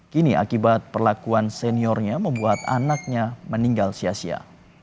kini akibat perlakuan seniornya membuat anaknya meninggal sia sia